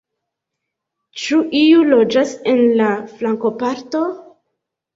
Ĉu iu loĝas en la flankoparto?